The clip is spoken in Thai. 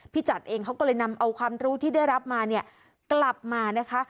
จัดเองเขาก็เลยนำเอาความรู้ที่ได้รับมาเนี่ยกลับมานะคะ